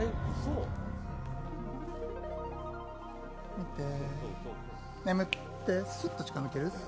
見て、眠って、スっと力が抜ける。